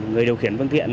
người điều khiển vương tiện